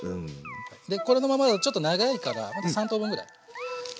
でこれのままだとちょっと長いから三等分ぐらい。